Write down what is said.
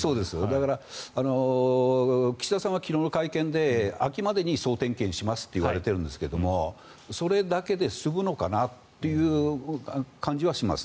だから、岸田さんは昨日の会見で秋までに総点検しますといわれているんですがそれだけで済むのかなという感じはします。